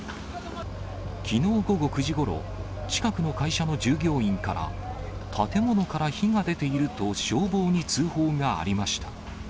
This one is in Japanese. きのう午後９時ごろ、近くの会社の従業員から、建物から火が出ていると消防に通報がありました。